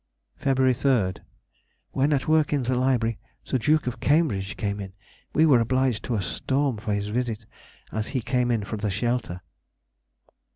Feb. 3rd.—When at work in the library the Duke of Cambridge came in. We were obliged to a storm for his visit, as he came in for the shelter.